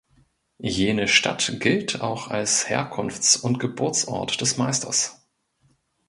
Jene Stadt gilt auch als Herkunfts- und Geburtsort des Meisters.